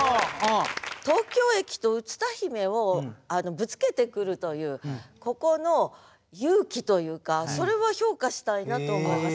東京駅とうつ田姫をぶつけてくるというここの勇気というかそれは評価したいなと思います。